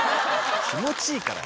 気持ちいいからね。